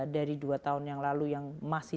dari dua tahun yang lalu yang masih